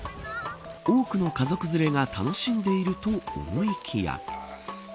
多くの家族連れが楽しんでいると思いきや。